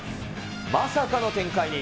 まさかの展開に。